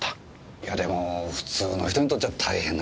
いやでも普通の人にとっちゃ大変な事ですよ？